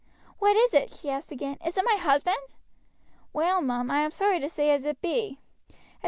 "What is it?" she asked again; "is it my husband?" "Well, mum, I am sorry to say as it be.